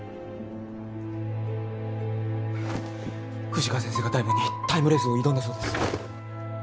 富士川先生が大門にタイムレースを挑んだそうです。